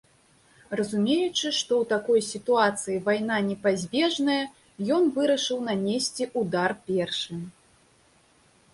Разумеючы, што ў такой сітуацыі вайна непазбежная, ён вырашыў нанесці ўдар першым.